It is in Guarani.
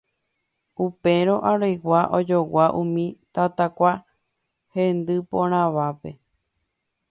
Upérõ Aregua ojogua umi tatakua hendy porãvape.